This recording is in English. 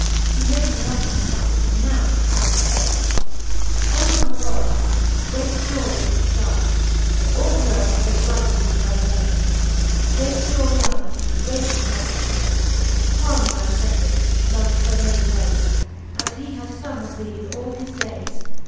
She made me often pipe, and now to pipe apace. xxvm."" Sunne of the world, great glory of the fky, That all the earth doeft lighten with thy rayes, Great Glorianay greateft Majefty, Pardon thy fhepheard, mongft fo many layes, As he hath fung of thee in all his dayes.